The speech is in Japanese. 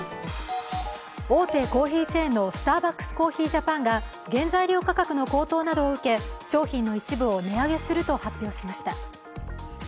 大手コーヒーチェーンのスターバックスコーヒージャパンが原材料価格の高騰などを受け商品の一部を値上げすると発表しました。